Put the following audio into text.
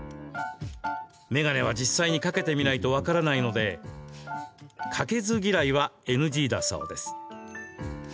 眼鏡は実際に掛けてみないと分からないので掛けず嫌いはＮＧだそうです。